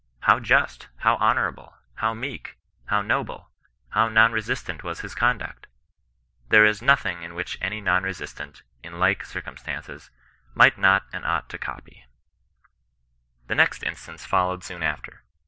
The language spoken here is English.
How just, ow honourable, how meek, how noble, how non resistant was his conduct ! There is nothing in it which any non resistant, in like circumstances, might not and ought not to copy. The next instance followed soon after.